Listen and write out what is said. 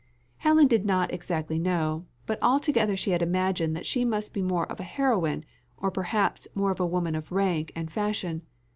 Helen did not exactly know, but altogether she had imagined that she must be more of a heroine, or perhaps more of a woman of rank and fashion.